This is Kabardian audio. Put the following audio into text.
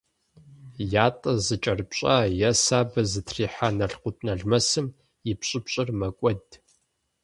Ятӏэ зыкӏэрыпщӏа е сабэ зытрихьа налкъутналмэсым и пщӏыпщӏыр мэкӏуэд.